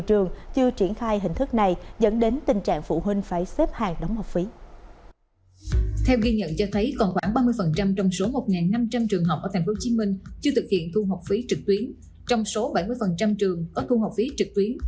trong số một năm trăm linh trường học ở tp hcm chưa thực hiện thu học phí trực tuyến trong số bảy mươi trường có thu học phí trực tuyến